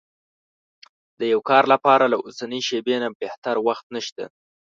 د يوه کار لپاره له اوسنۍ شېبې نه بهتر وخت نشته.